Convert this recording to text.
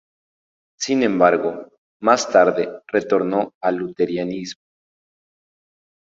Sin embargo, más tarde retornó al luteranismo.